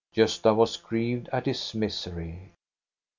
Gosta was grieved at his misery.